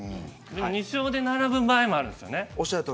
２勝で並ぶ場合もあるんですよね。